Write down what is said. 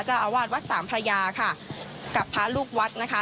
เจ้าอาวาสวัดสามพระยาค่ะกับพระลูกวัดนะคะ